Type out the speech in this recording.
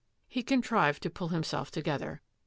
He contrived to pull himself together.